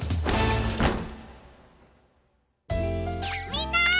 みんな！